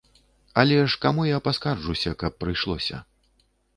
Але ж каму я паскарджуся, каб прыйшлося.